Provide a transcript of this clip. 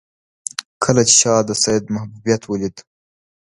کله چې شاه د سید محبوبیت ولید.